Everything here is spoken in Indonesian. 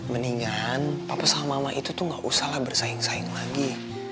mendingan papa sama mama itu tuh gak usah lah bersaing saing lagi